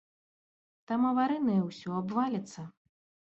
Там аварыйнае ўсё, абваліцца.